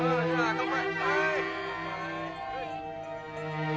乾杯。